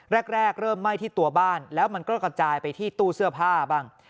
แรกเริ่มไหม้ที่ตัวบ้านแล้วมันก็กระจายไปที่ตู้เสื้อผ้าบ้าง